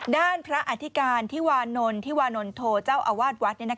ด้านพระอธิการธิวานนทิวานนโทเจ้าอาวาสวัด